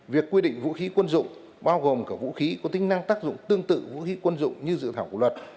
việc quy định vũ khí quân dụng bao gồm cả vũ khí có tính năng tác dụng tương tự vũ khí quân dụng như dự thảo của luật